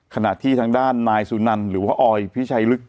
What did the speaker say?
ขณะที่ทางด้านนายสุนันหรือว่าออยพิชัยลึก